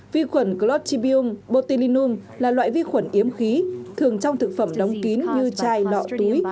vi khuẩn clotibium botulinum là loại vi khuẩn yếm khí thường trong thực phẩm đóng kín như chai lọ túi